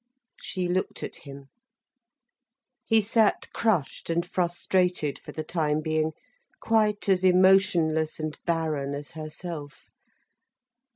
She looked at him. He sat crushed and frustrated for the time being, quite as emotionless and barren as herself.